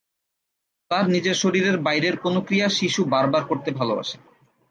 তার নিজের শরীরের বাইরের কোন ক্রিয়া শিশু বার বার করতে ভালোবাসে।